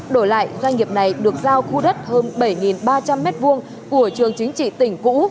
đổi lại doanh nghiệp này được giao khu đất hơn bảy ba trăm linh m hai của trường chính trị tỉnh cũ